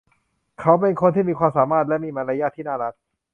เขาเป็นคนที่มีความสามารถและมีมารยาทที่น่ารัก